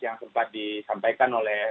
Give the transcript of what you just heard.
yang sempat disampaikan oleh